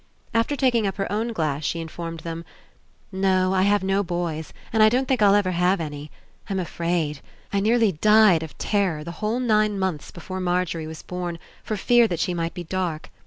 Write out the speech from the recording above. After taking up her own glass she in formed them: "No, I have no boys and I don't think I'll ever have any. I'm afraid. I nearly died of terror the whole nine months before Margery was born for fear that she might be dark.